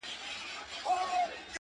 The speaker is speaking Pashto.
د ژوند كولو د ريښتني انځور.